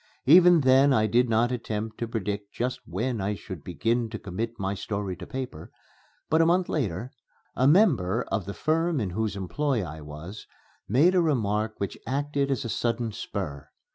Even then I did not attempt to predict just when I should begin to commit my story to paper. But, a month later, a member of the firm in whose employ I was made a remark which acted as a sudden spur.